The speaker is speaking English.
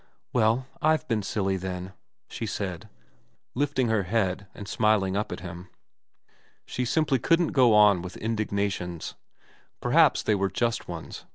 Well, I've been silly then,' she said, lifting her head and smiling up at him. She simply couldn't go on with indignations. Perhaps they were just ones.